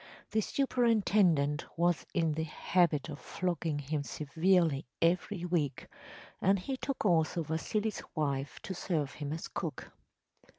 The superintendent was in the habit of flogging him severely every week, and he took also Vasili’s wife to serve him as cook.